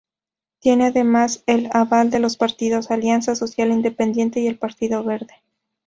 Tiene además el aval de los partidos Alianza Social Independiente y el Partido Verde.